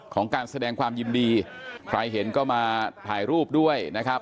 ของการแสดงความยินดีใครเห็นก็มาถ่ายรูปด้วยนะครับ